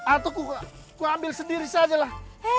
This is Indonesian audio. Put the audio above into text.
atau ku ambil sendiri sajalah